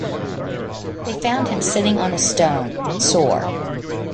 They found him sitting on a stone, sore.